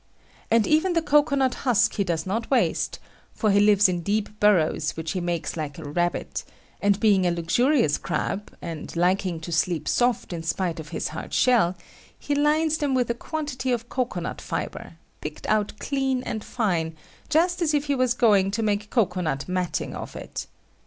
And even the cocoa nut husk he does not waste; for he lives in deep burrows which he makes like a rabbit; and being a luxurious crab, and liking to sleep soft in spite of his hard shell, he lines them with a quantity of cocoa nut fibre, picked out clean and fine, just as if he was going to make cocoa nut matting of it.